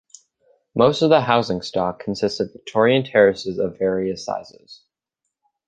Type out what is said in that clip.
Most of the housing stock consists of Victorian terraces of various sizes.